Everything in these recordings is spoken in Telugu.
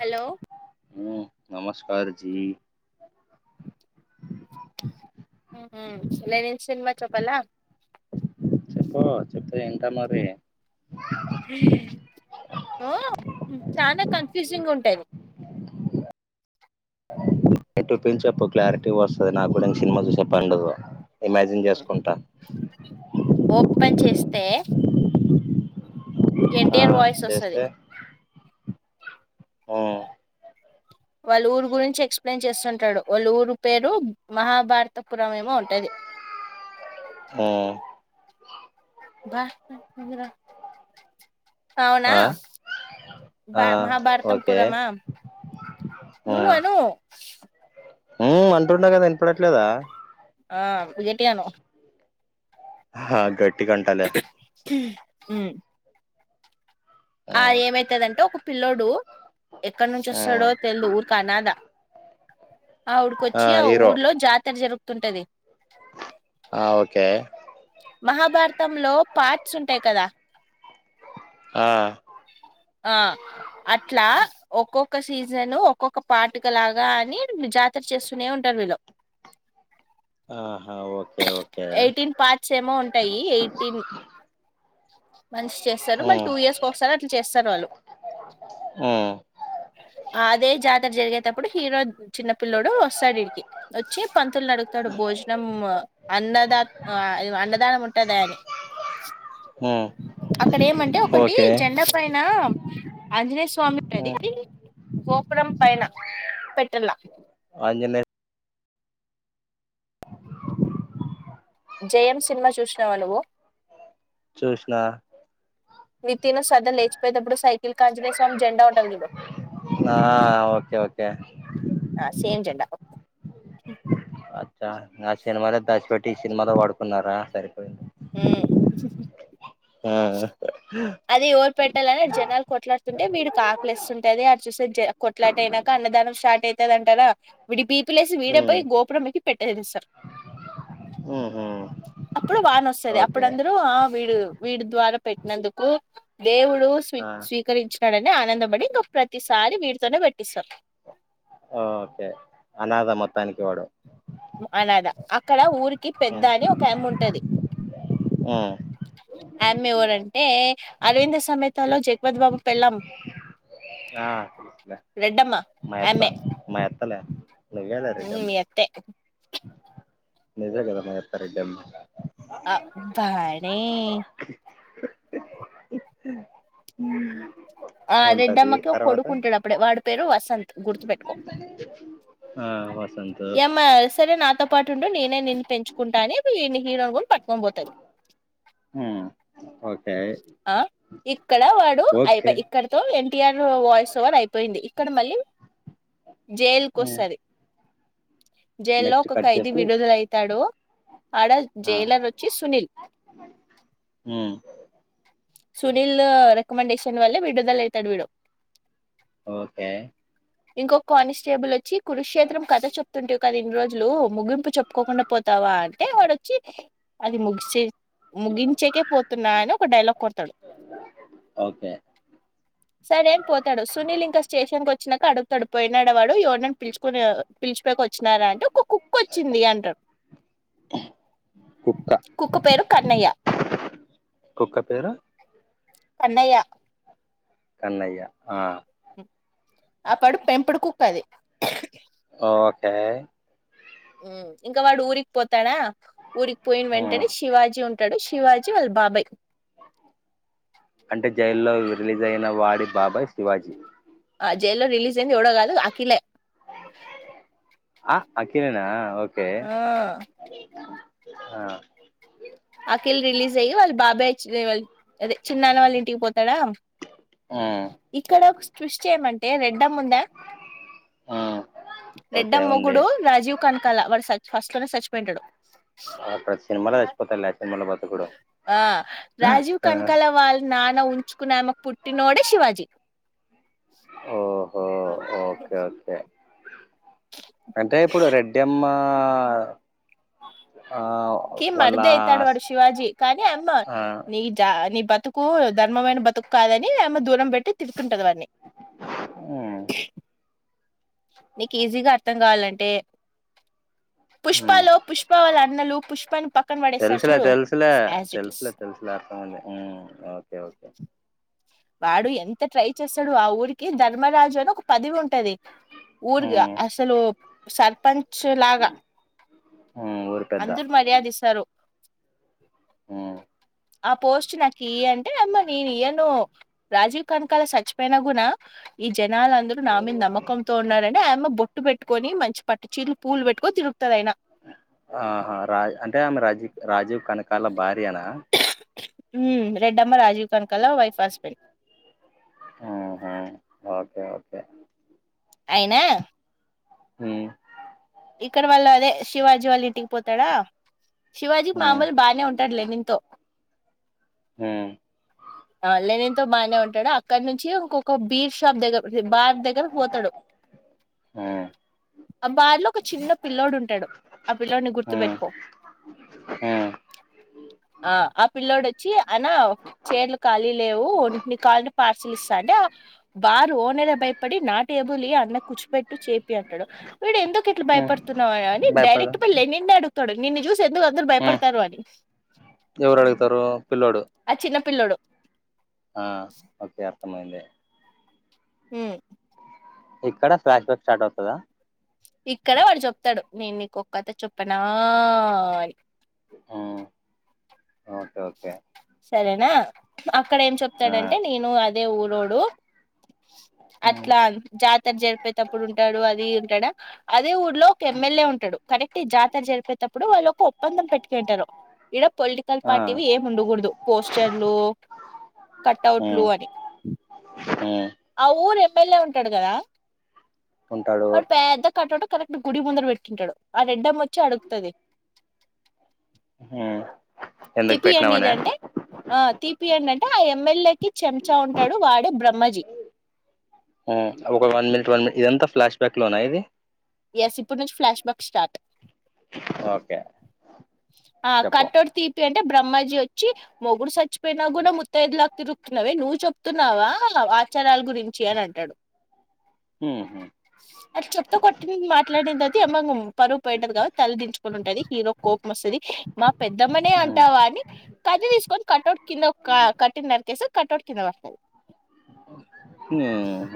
హలో మ్మ్ నమస్కార్ జీ మ్మ్ లెనిన్ సినిమా చెప్పల్లా చెప్పల్ల చెప్తే ఎంత మరి ఓ చాలా కన్ఫ్యూజింగ్గా ఉంటాది ఎట్ల పిన్ చెప్పు క్లారిటీ వస్తది నాకు కూడా ఇంక సినిమా చూసే పనుండదు ఇమాజిన్ చేసుకుంటా ఓపెన్ చేస్తే ఎన్ ఆ టీ ఆర్ వాయిస్ వస్తది చేస్తే మ్మ్ వాళ్ళ ఊరు గురించి ఎక్స్ప్లెయిన్ చేస్తుంటాడు వాళ్ళ ఊరు పేరు మహాభారతపురం ఏమో ఉంటది ఆ వస్తుంది ముందు రోజు అవునా ఆ ఆ బా మహాభారత ఓకే పురమా ఉ అను ఉ అంటున్నా కదా వినపడట్లేదా ఆ ఏంటి అను ఆ గట్టి అంటాలే ఉ ఆ మ్మ్ ఏమైతదంటే ఒక పిల్ల్లోడు ఎక్కడ నుంచి వస్తాడో మ్మ్ తెలవదు ఒక అనాథ ఆ ఊరికి వచ్చి ఆ ఊర్లో జాతర జరుగుతుంటది ఆ ఓకే మహాభారతంలో పార్ట్స్ ఉంటాయి కదా ఆ ఆ అట్లా ఒక్కొక్క సీజన్ ఒక్కొక్క పాటుక లాగా అని జాతర చేస్తూనే ఉంటారు వీళ్ళు ఆహా ఓకే ఓకే ఎయిటీన్ పార్ట్స్ ఏమో ఉంటాయి ఎయిటీన్ మంచి చేస్తారు బట్ మ్మ్ టూ ఇయర్స్ ఒకసారి అట్లా చేస్తారు వాళ్ళు ఉ అదే జాతర జరిగేటప్పుడు హీరో చిన్న పల్ల్లోడు వస్తాడు ఇడికి వచ్చి పంతులు ఆడుగుతాడు భోజనం అన్నదా ఆ అన్నదానము ఉంటదా అని ఉ అక్కడ ఏమంటే ఒకటి జెండ పైన ఆంజనేయ స్వామి అది మ్మ్ గోకురం పైన పెట్టలా ఆంజనేయ జయం సినిమా చూసినావా నువ్వు చూసిన నితిన్ సదా లేచిపోయేటప్పుడు సైకిల్ కి ఆంజనేయ స్వామి జెండా ఉంటంది చూడు ఆ ఓకే ఓకే ఆ సేమ్ జెండా అచ్చ ఆ సినిమాలో దాసి పెట్టి ఈ సినిమాలో వాడుకున్నారా సరిపోఇదీ ఉమ్ ఆ అదే ఓరు పెట్టాలని జనాలు కొట్లాడుకుంటే వీడికి ఆకలిస్తుంటే అది అ చూసే అట్లా అయినాక అన్నదానం స్టార్ట్ అవుతుంది అంటారా వీడికి బీపీ లేస్తే వీడే పోయి గోపురంకి పెట్టేది వస్తాడు ఉ హు అప్పుడు వన వస్తాంది అప్పుడు అందరూ ఆ వీడు వీడి ద్వారా పెట్టినందుకు దేవుడు స్వ ఆ స్వీకరించు డనే ఆనందపడి ఇంక ప్రతిసారి వీటితోనే పెట్టిస్తారు ఓకే అనాథ మొత్తానికి వాడు అనాథ అక్కడ ఊరికి పెద్ద ఉమ్ అని ఒక ఆమె ఉంటది ఉమ్ ఆమె ఎవరంటే అరవింద్ సమేతలో జగపతి బాబు పెళ్ళం ఆ రెడ్డమ్మ మా అత్త ఆమె మా అత్తలా లేగాలే రెడ్డమ్మ మీ అత్తే నిజం గదా మా అత్త రెడ్డమ్మ ఆ బానే ఆ ఉంటది రెడ్డమ్మకి ఒక తర్వాత కొడుకు ఉంటాడప్పుడే వాడి పేరు వసంత్ గుర్తుపెట్టుకో ఆ వసంతు యేమ్మ సరే నాతో పాటు ఉంటే నేనే నిన్ను పెంచుకుంటా అని వీన్ని హీరోను కూడా పట్టుకొని పోతది ఆ ఓకే ఆ ఇక్కడ వాడు ఓకే అయిపాయ్ ఇక్కడితో ఎన్టీఆర్ వాయిస్ ఓవర్ అయిపోయింది ఇక్కడ మళ్ళీ జైలుకు వస్తది జైల్లో నెక్స్ట్ ఒక కట్ ఖైదీ చేస్తే విడుదల అయితాడు ఆడ ఆ జైలర్ వచ్చి సునీల్ ఆ సునీల్ రెకమండేషన్ వల్ల విడుదల అయితాడు వీడు ఓకే ఇంకొక కానిస్టేబుల్ వచ్చి కురుక్షేత్రం కథ చెప్తుంటివి కదా ఇన్ని రోజులు ముగింపు చెప్పుకోకుండా పోతావా అంటే వాడొచ్చి అది ముగిసే ముగించేకే పోతా తున్నా అని ఒక డైలాగ్ కొడతడు ఓకే సరే అని పోతాడు సునీల్ ఇంకా స్టేషన్ కు వచ్చినాక అడుగుతాడు పోయినాడ వాడు యెవని పిలుచుకుని పిలిచికొని వచ్చినారా అంటే ఒక కుక్క వచ్చింది అంటడు కుక్క కుక్కుపేరు కన్నయ్య కుక్క పేరూ కన్నయ్య కన్నయ్య ఆ ఆ పడు పెంపుడు కుక్క అది ఓకే ఉమ్ ఇంకా వాడు ఊరికి పోతాడా ఊరికి పోయిన మ్ వెంటనే శివాజీ ఉంటాడు శివాజీ వాళ్ళ బాబాయ్ అంటే జైల్లో రిలీజ్ అయిన వాడి బాబాయ్ శివాజీ ఆ జైల్లో రిలీజ్ అయింది ఎవడో గాదు అఖిలే ఆ అఖిలేనా ఓకే ఆ హేవీ గవా ఆ అఖిల్ రిలీజ్ అయ్యి వాళ్ళు బాబాయ్ అదే చిన్నాన్న వాళ్ళ ఇంటికి పోతాడా ఉమ్ ఇక్కడ ఒక ట్విస్ట్ ఏమంటే రెడ్డమ్మ ఉందా మ్ ఓకే రెడ్డమ్మ ఉంది మొగుడు రాజీవ్ కనకాల వాడు ఫస్ట్ లోనే సచ్చిపోయి ఉంటడు ఆ ప్రతి సినిమాలో సచ్చిపోతాడు లే అ సినిమా బ ఆ రాజీవ్ కనకాల వాళ్ళ నాన్న ఉంచుకున్నామెకు పుట్టినోడే శివాజీ ఓహో [unintelligible] ఓకే ఓకే అంటే ఇప్పుడు రెడ్డమ్మ ఆ కి వాళ్ళ మరిది అయితాడు వాడు శివాజీ కానీ అమ్మ ఆ నీ జా నీ బతుకు కు ధర్మమైన బతుకు కాదని ఆమే దూరం పెట్టి తిడుతుంటది వాన్ని మ్ నీకు ఈజీగా అర్థం కావాలంటే మ్ పుష్పాలో పుష్పవాళ్ళ అన్నలు పుష్పాని పక్క తెలుసులే తెలుసులే తెలుసులే తెలుసులే అర్థం మైన్నది మ్ ఓకే ఓకే వాడు ఎంత ట్రై చేస్తాడు ఆ ఊరికి ధర్మరాజు అని ఒక పదవి ఉంటది ఊరిగా మ్ అసలు సర్పంచ్ లాగా మ్ ఊరి పెద్ద అందరు మర్యాద ఇస్తారు హ్మ్. ఆ పోస్ట్ నాకు ఇయ్ అంటే అమ్మ నేను ఇయ్యను రాజీవ్ కనకాల సచ్చిపోన గుణ ఈ జనలంనదరు నా మీద నమ్మకంతో ఉన్నారని ఆయమ్మ బొట్టు పెట్టుకొని మంచి పట్టు చీర్ పూలు పెట్టుకో తిరుగుతది అయినా ఆహా రా అంటే ఆమె రాజీవ్ రాజీవ్ కనకాళ్ళ భార్యన రెడ్ అమ్మ రాజీవ్ కనకాల వైఫ్ హస్బెండ్ ఉహు అయినా మ్ ఇక్కడ వాళ్ళు అదే శివాజీ వాళ్ళ ఇంటికి పోతాడా శివాజీ హ్మ్. మామలు బాగనే ఉంటాడులే లెనిన్ తో ఉ ఆలెనితో బానే ఉంటాడు అక్కడ నుంచి ఒక్కొక బీర్ షాప్ దగ్గర బార్ దగ్గరకి పోతడు హ్మ్. ఆ బార్ లో ఒక చిన్న పిల్ల్లోడు ఉంటడు ఆ పిల్ల్లోడిని గుర్తుపెట్టుకో అ ఆ ఆ పిల్లోడు వచ్చి అనా చేర్లు కాళీ లేవు నీకు కావాలంటే పార్సల్ ఇస్తా అంటే అ బార్ ఓనరే భయపడి నా టేబుల్ ఇయ్ అన్న కూర్చిపెట్టు చేపి అంటడు వీడు ఎందుకు ఇట్లా హ్మ్. భయపడుతున్నావా అయ్జ్ భయపడదు. డైరెక్ట్ పోయి లేనిన్నే అడుగుతడు నిన్ను చూసి ఎందుకు అందరు భయపడతారు అని ఎవరు అడుగుతారు పిల్లోడు ఆ చిన్నపిల్లోడు ఆ! ఓకే. అర్థమైంది ఉ ఇక్కడ ఫ్లాష్ బ్యాక్ స్టార్ట్ అవుతదా ఇక్కడ వాడు చెప్తాడు నేను నీకు ఒక్క కథ చెప్పనా అని హ్మ్. ఓకే. ఓకే. సరేనా అక్కడ ఏం ఆ! చెప్తాడంటే నేను అదే ఊరోడు హ్మ్. అట్లా జాతర జరిపెటప్పుడు ఉంటాడు అది ఉంటాడా అదే ఊళ్లో ఒక ఎమ్మెల్యే ఉంటడు కరెక్ట్ ఈ జాతర జరిపేటప్పుడు వాళ్ళు ఒక ఒప్పందం పెట్టుకుని ఉంటరు ఇడా పొలిటికల్ ఆ! పార్టీవి ఏమి ఉండగూడదు పోస్టర్లు కటౌట్లు అని ఉ ఆ ఊరు ఎమ్మెల్యే ఉంటడు గదా ఉంటాడు. వాడు పెద్ద కటౌట్ కరెక్ట్ గుడి ముందర పెట్టింటాడు ఆ రెడ్డమ్ వచ్చి అడుగుతది హ్మ్. ఎందుకు తిపియండి పెట్టినామనా? ఇదంటే ఆ తీపియండి అంటే ఆ ఎమ్మెల్యేకి చెంచా ఉంటడు వాడే బ్రహ్మజీ ఆ ఒక వన్ మినిట్ వన్ మినిట్ ఇదంతా ఫ్లాష్ బ్యాక్ లో నా ఇది ఎస్ ఇప్పుడు నుంచి ఫ్లాష్ బ్యాక్ స్టార్ట్ ఓకే ఆ చెప్పు. కటౌట్ తీపి అంటే బ్రహ్మజీ వచ్చి మొగుడు సచ్చిపోయిన కూడా ముత్తైదుల తిరుగుతున్నావె నువ్ చెప్తున్నావా వి చరాల గురించి అని అంటాడు ఆ అది చెప్తో కొట్టింది మాట్లాడింది అది మ పరువు పోయింటాది కదా తలదించుకుని ఉంటుంది హీరో కోపం మోస్తది మా పెద్దమ్మనే హ్మ్. అంటావా అని కత్తి తీసుకొని కటౌట్ కింద కట్టినరకేసి కటౌట్ కింద పడతాది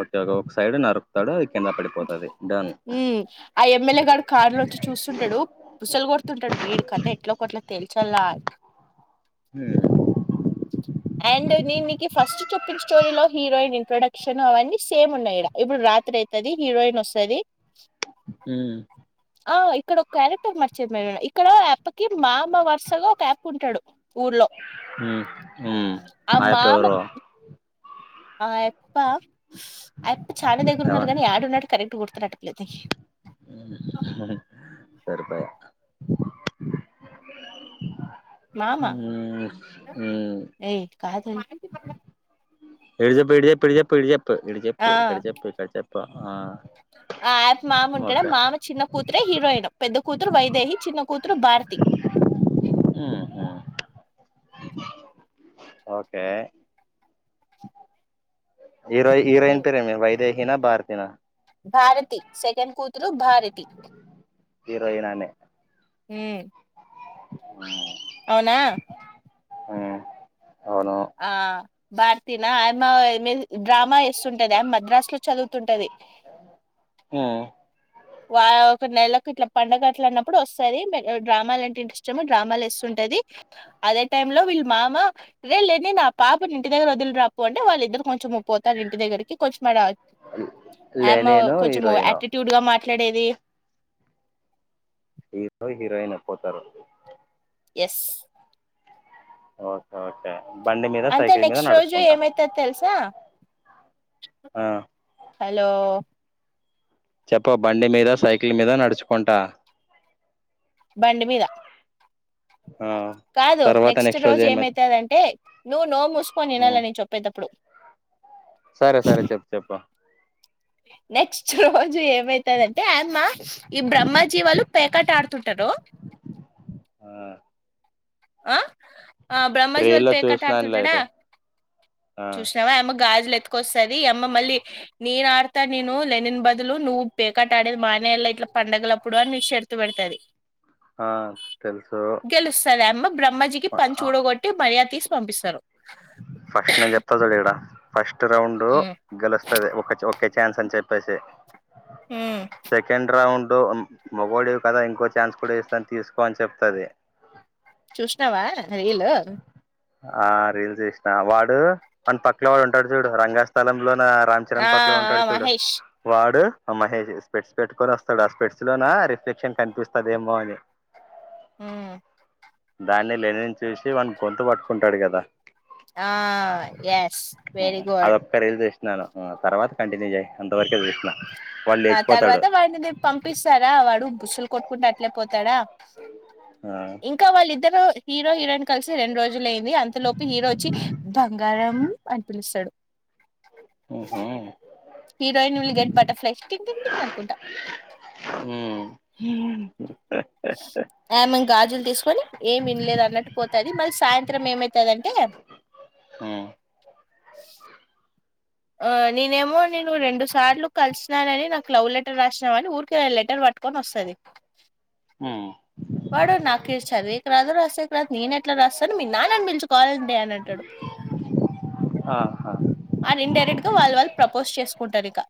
ఓకే ఒక సైడ్ నరుకుతాడు అది కింద పడిపోతాది డన్ ఆ ఎమ్మెల్యే గాడు కార్లోంచి చూస్తుంటాడు బుసలు కొడుతుంటాడు వీడి కథ ఎట్లా గట్ల తేల్చల హా అండ్ నేను నీకి ఫస్ట్ చూప్పిన స్టోరీలో హీరోయిన్ ఇంట్రొడక్షన్ అవన్నీ సేమ్ ఉన్నాయి ఇడ ఇప్పుడు రాత్రి అయితే తాది హరోయిన్ వస్తది అ ఆ ఇక్కడ ఒక క్యారెక్టర్ మర్చిపోయను ఇక్కడ అయ్యప్పకి మామా వరుసగా ఒక అయ్యప ఉంటాడు ఊర్లో మ్మ్ మ్మ్ ఆ మామ ఆయప్పేవరో ఆ అయప్ప అయప్ప చాలా దగ్గర ఎవ ఉన్నారు కాని యాడున్నాడు కరెక్ట్ గుర్తు రావట్లేదు నాకి సరిపాయ మామా ఉమ్ ఉమ్ [inaudible] ఏ కాదే ఇడు చెప్పు ఇడ చెప్ప ఇడ చెప్పు ఇడి చెప్పు ఆ ఇక్కడ చెప్పు ఇక్కడ చెప్పు ఇక్కడ చెప్పు ఆ ఆ అయ్యప్ప మామ ఉంటాడా ఓకే మామ చిన్న కూతురే హీరోయిన్ పెద్ద కూతురు వైదేహి చిన్న కూతురు భారతి ఉహు ఓకే హీరో హీరోయిన్ ఉమ్, పేరేమి వైదేహీనా భారతీ నా భారతి సెకెండ్ కూతురు భారతి హీరోయినానే మ్ ఆ అవునా అవును ఆ భారతీ నా ఆయమ్మ డ్రామా ఏస్తుంటది ఆమె మద్రాసు లో చదువుతుంటది హమ్ వా ఒక నెలకు ఇట్లా పండుగ అట్లు అన్నప్పుడు వస్తది డ్రామాల అంటే ఇంటెస్ ఏమో డ్రామాలు ఏస్తుంటది అదే టైమ్ లో వీళ్ళు మామ రే లేని నా పాప ఇంటి దగ్గర వదిలి రాపో అంటే వాళ్ళ ఇద్దరు కొంచం పోతారు ఇంటి దగ్గరికి కొంచె మాడ ఆయమ్మ లెనిను కొంచెం హీరోయిను యాటిట్యూడ్ గా మాట్లాడేది హీరో హీరోయిన్ అయిపోతారు ఎస్ ఓకే ఓకే బండి మీద అంటే సైకిల్ మీద నెక్స్ట్ రోజు నడుచుకుంటా ఏమైతది తెలుసా ఆ హలో చెప్ప బండి మీద సైకిల్ మీద నడుచుకుంటా బండి మీద ఆ కాదు నెక్స్ట్ రోజు ఏమైతదంటే నువ్వు నోరు మూసుకొని వినాలని చెప్పేటప్పుడు సరే సరే చెప్పు చెప్పు నెక్స్ట్ రోజు ఏమైతందంటే ఆయమ్మా ఈ బ్రహ్మ జీవాలు పేకట ఆడుతుంటారు. ఆ ఆ ఆ బ్రహ్మజీ వాళు రీల్లో పేక చూసినానులే అట్టాడుతుంటాడా అయితే ఆ చూస్ తేవా ఆయమ్మా గాజులు ఎత్తుకొసది ఈ అమ్మ మళ్ళీ నేను ఆడతా నేను లెనిన్ బదులు నువ్వు పేక ఆట ఆడేది మానేలా ఇట్లా పండగలప్పుడు అని నీ శరత్తు పెడతది. ఆ తెలుసు తెలుస్తది. ఆయమ్మా బ్రహ్మజీకి పంచ్ ఊడగొట్టి మర్యా తీసి పంపిస్తారు. ఫస్ట్ నేను జేప్తా చూడు ఇడా ఫస్ట్ రౌండు. మ్ గెలుస్తుది ఒక ఒకే ఛాన్స్ అని చెప్పేసి మ్ సెకండ్ రౌండ్ మగోడవి కదా ఇంకో ఛాన్స్ కూడా ఇస్తా తీసుకో అని చెప్తది. చూషనవా రీలు ఆ రీల్స్ జేశనా వాడు అని పక్కల వాడు ఉంటాడు చూడు రంగా స్థలంలో రామ్ ఆ చరణ్ పక్కలో ఆ ఉంటాడు చూడు మహేష్ వాడు ఆ మహేష్ స్పెడ్స్ పెట్టుకొని వస్తాడు ఆ స్పెట్స్ లోన రిఫ్లెక్షన్ కనిపిస్తదేమో అని హుమ్మ్ దాన్ని లేనీన్ చూసి వాని గొంతు వట్టుకుంటాడు కదా ఆ ఎస్ వేరి గుడ్ ఒకక్క రీల్ జేషినా తర్వాత కంటిన్యూ జేశనా యి అంతవరకే జూషనా. ఆ తర్వాత వాడిని నీన్ పంపిస్తారా వాడు బుస్సులు కొట్టుకుంటూ అట్లే పోతాడా. ఆ ఇంకా వాళ్ళిద్దరు హీరో హీరోయిన్ కలిసి రెండు రోజులు ఏవీ అంతలో లోపు హీరో వచ్చి బంగారం అని పిలుస్తాడు. ఉహుహ్ heroine will get butterfly టింగ్ టింగ్ అనుకుంటా. ఉహ్ ఆమె గాజులు తీసుకొని ఏమి ఇనలేదు అన్నట్టు పోతది మళ్ళీ సాయంత్రం ఏమైతది అంటే ఉహ్ ఓహ్ నేనేమో నేను రెండు సార్లు కలిసినని నాకు లవ్ లెటర్ రాసినా అని ఊరికే లెటర్ వాట్ కామ్ వసది. ఉహ్ వాడు నాకి చదీవెకి రాదు రాసేకి రాదు నేన ఎట్లా రాసన్ మీ నాన్న బిల్చుకోవాలండి అంటాడు. ఆ అల్ ఇన్డైరెక్ట్ గా వాళ్ళ వాళ్ళ ప్రపోజ్ చేసుకుంటారు ఇకా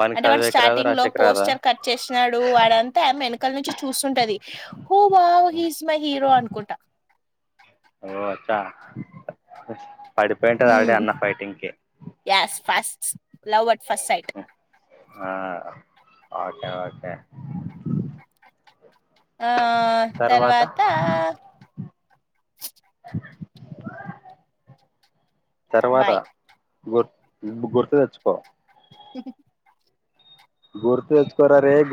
వానికి అంటే వాడు చదివేకి రాదా స్టార్టింగ్ లో రాసేకి రాదా పోస్టర్ కట్ చేసినాడు వాడన్ టమ్ వెనకాల నుంచి చూస్తుంటది హోబావ్ హీ ఇజ్ మై హీరో అనుకుంటా ఓ వచ్చా పడిపోయింటది ఆల్రెడీ అన్న ఫైటింగ్ కి yes first loved first sight ఆ ఓకే ఒకే ఆ తర్వాత తర్వాత బాయ్ గుర్ గుర్తు తెచ్చుకో హ్ గుర్తు తేచ్చకోరరే